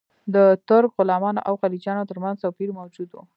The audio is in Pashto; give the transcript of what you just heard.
د ترک غلامانو او خلجیانو ترمنځ توپیر موجود و.